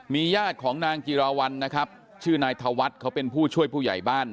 ญาติของนางจิราวัลนะครับชื่อนายธวัฒน์เขาเป็นผู้ช่วยผู้ใหญ่บ้าน